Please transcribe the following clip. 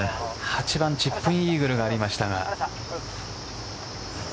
８番チップインイーグルがありましたが。